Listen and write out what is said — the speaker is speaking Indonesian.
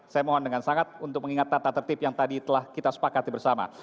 saya mohon dengan sangat untuk mengingat tata tertib yang tadi telah kita sepakati bersama